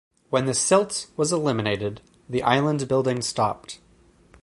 When the silt was eliminated, the island-building stopped.